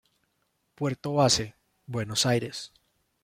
Puerto base: Buenos Aires.